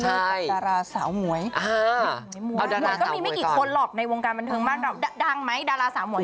อ่าและหนังก็เปรี้ยวมากด้วย